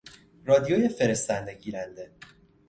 رادیوی فرستنده - گیرنده